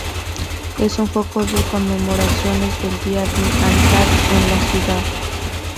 Es un foco de conmemoraciones del Día de Anzac en la ciudad.